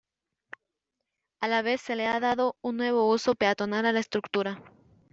A la vez se le ha dado un nuevo uso peatonal a la estructura.